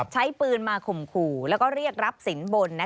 ใช้ปืนมาข่มขู่แล้วก็เรียกรับสินบน